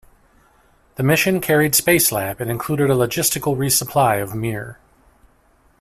The mission carried Spacelab and included a logistical resupply of "Mir".